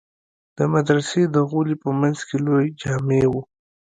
د مدرسې د غولي په منځ کښې لويه جامع وه.